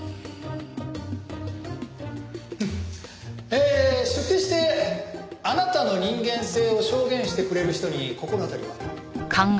えー出廷してあなたの人間性を証言してくれる人に心当たりは？